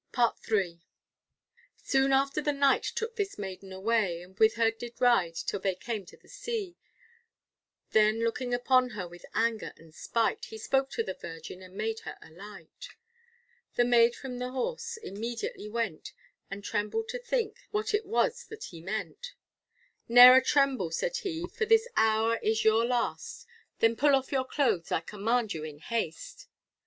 PART III. Soon after the Knight took this maiden away, And with her did ride till they came to the sea, Then looking upon her with anger and spite, He spoke to the virgin and made her alight. The maid from the horse immediately went, And trembled to think what it was that he meant; Ne'er tremble, said he, for this hour is your last, Then pull off your clothes. I command you in haste.